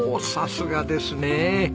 さすがですね。